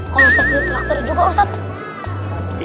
kalau ustadz lihat traktor juga ustadz